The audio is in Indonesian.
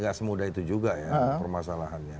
gak semudah itu juga ya permasalahannya